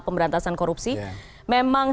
pemberantasan korupsi memang